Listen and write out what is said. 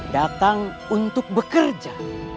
datang untuk bekerja